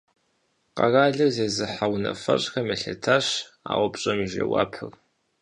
Къэралыр зезыхьэ унафэщӀхэм елъытащ а упщӀэм и жэуапыр.